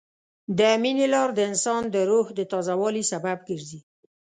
د مینې لار د انسان د روح د تازه والي سبب ګرځي.